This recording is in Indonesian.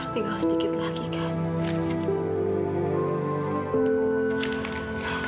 tinggal sedikit lagi kak